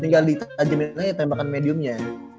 tinggal di tajamannya tembakan mediumnya